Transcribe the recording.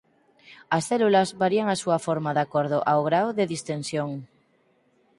As células varían a súa forma de acordo ao grao de distensión.